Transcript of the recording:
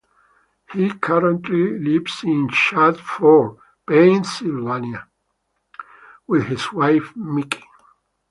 He currently lives in Chadds Ford, Pennsylvania, with his wife Micky.